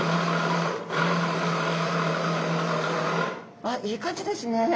あっいい感じですね。